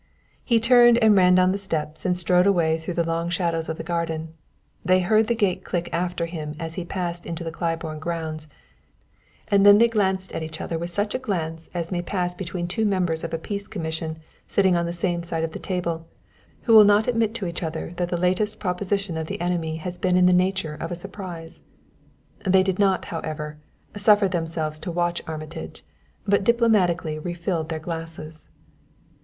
He turned and ran down the steps and strode away through the long shadows of the garden. They heard the gate click after him as he passed into the Claiborne grounds and then they glanced at each other with such a glance as may pass between two members of a peace commission sitting on the same side of the table, who will not admit to each other that the latest proposition of the enemy has been in the nature of a surprise. They did not, however, suffer themselves to watch Armitage, but diplomatically refilled their glasses.